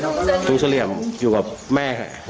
อยู่ทุกกีษทุกศรียร์อยู่กับแม่